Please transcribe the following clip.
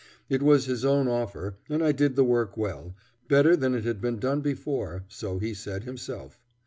It was his own offer, and I did the work well, better than it had been done before, so he said himself.